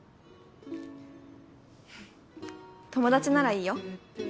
友達ならいいよ。